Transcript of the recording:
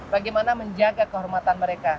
bagaimana menjaga kehormatan mereka